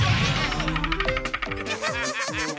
ハハハハハ！